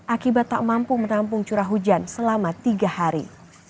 akibat tak mampu menampung curah hujan selama tiga hari